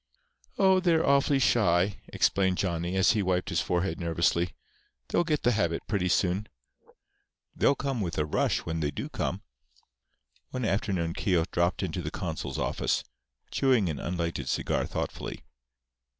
"Oh, they're awfully shy," explained Johnny, as he wiped his forehead nervously. "They'll get the habit pretty soon. They'll come with a rush when they do come." One afternoon Keogh dropped into the consul's office, chewing an unlighted cigar thoughtfully.